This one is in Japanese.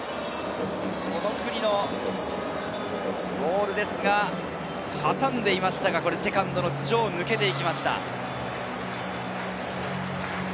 九里のボールは挟んでいましたが、セカンドの頭上を抜けていきました。